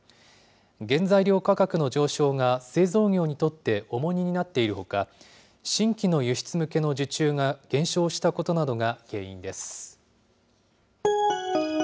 原材料価格の上昇が製造業にとって重荷になっているほか、新規の輸出向けの受注が減少したことなどが原因です。